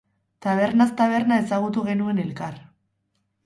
Tabernaz taberna ezagutu genuen elkar.